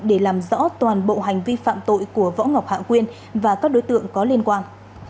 để làm rõ toàn bộ hành vi phạm tội của võ ngọc hạ quyên và các đối tượng có liên quan